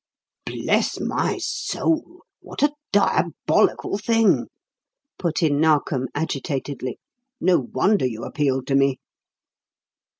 "Bless my soul! what a diabolical thing!" put in Narkom agitatedly. "No wonder you appealed to me!"